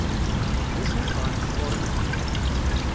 D acu i bɣant sɣur-k?